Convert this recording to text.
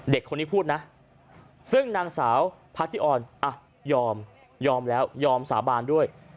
เด็กคนนี้พูดนะซึ่งนางสาวพัทธิออนอ่ะยอมยอมแล้วยอมสาบานด้วย